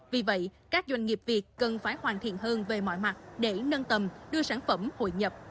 vì vậy các doanh nghiệp việt cần phải hoàn thiện hơn về mọi mặt để nâng tầm đưa sản phẩm hội nhập